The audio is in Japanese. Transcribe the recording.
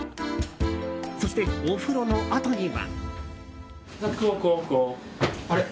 そして、お風呂のあとには。